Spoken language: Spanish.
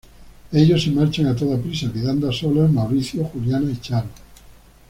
Ellos se marchan a toda prisa, quedando a solas Mauricio, Juliana y Charo.